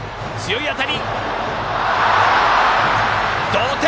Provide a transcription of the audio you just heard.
同点！